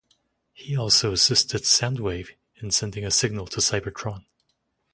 He also assisted Soundwave in sending a signal to Cybertron.